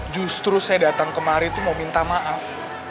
justru saya datang kemari itu mau minta maaf